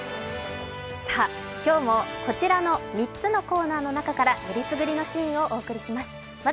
今日もこちらの３つのコーナーの中からよりすぐりのシーンをお届けします。